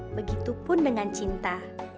begitupun dengan cinta